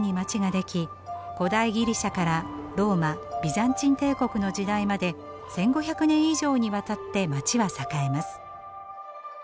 古代ギリシャからローマビザンチン帝国の時代まで１，５００年以上にわたって街は栄えます。